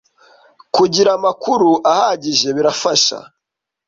Kugira amakuru ahagije birafasha.